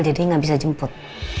jadi gak bisa jemput